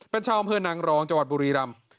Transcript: เป็นชาวอำเภอนางรองจังหวัดบุรีรำ